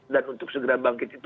dan untuk segera bangkit itu